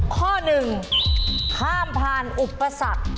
ข้อ๑ข้ามผ่านอุปสรรค